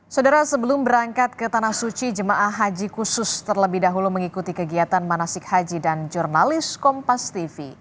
saudara sebelum berangkat ke tanah suci jemaah haji khusus terlebih dahulu mengikuti kegiatan manasik haji dan jurnalis kompas tv